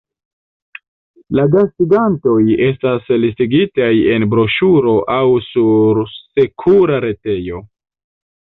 La gastigantoj estas listigitaj en broŝuro aŭ sur sekura retejo.